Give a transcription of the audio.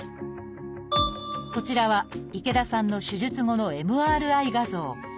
こちらは池田さんの手術後のＭＲＩ画像。